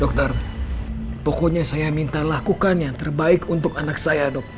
dokter pokoknya saya minta lakukan yang terbaik untuk anak saya dok